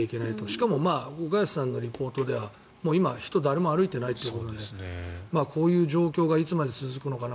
しかも、岡安さんのリポートではもう人は誰も歩いていないということでこういう状況がいつまで続くのかな。